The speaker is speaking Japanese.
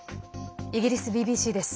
イギリスＢＢＣです。